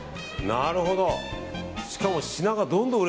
なるほど。